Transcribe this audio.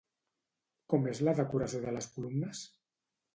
Com és la decoració de les columnes?